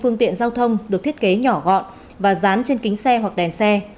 phương tiện giao thông được thiết kế nhỏ gọn và dán trên kính xe hoặc đèn xe